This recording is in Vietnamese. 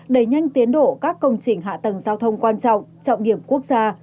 đẩy nhanh tiến độ các công trình hạ tầng giao thông quan trọng trọng điểm quốc gia